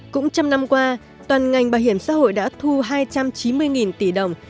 cũng trong năm qua toàn ngành bảo hiểm xã hội đã thu hai trăm chín mươi tỷ đồng